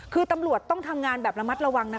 คือตำรวจต้องทำงานแบบระมัดระวังนะ